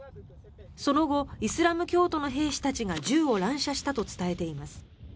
その後イスラム教徒の兵士たちが銃を乱射したと伝えています。